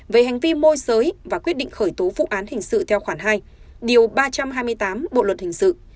về hành vi môi giới và quyết định khởi tố vụ án hình sự theo khoản hai điều ba trăm hai mươi tám bộ luật hình sự